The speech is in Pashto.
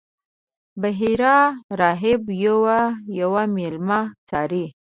بحیرا راهب یو یو میلمه څاري.